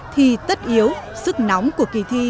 thì tất yếu sức nóng của kỳ thi